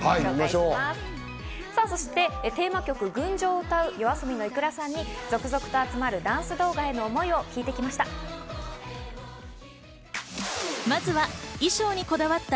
そしてテーマ曲『群青』を歌うＹＯＡＳＯＢＩのｉｋｕｒａさんに続々と集まるダンス動画への思いを聞いてきました。